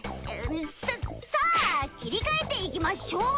ささあ切り替えていきましょう！